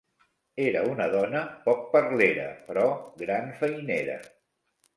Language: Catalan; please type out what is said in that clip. Era una dona poc parlera però gran feinera.